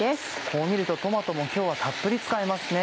こう見るとトマトも今日はたっぷり使いますね。